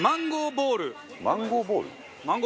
齊藤：マンゴーボール？